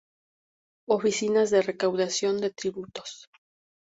Oficinas de recaudación de tributos.